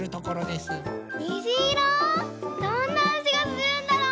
どんなあじがするんだろう？